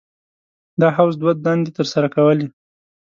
دا حوض دوه دندې تر سره کولې.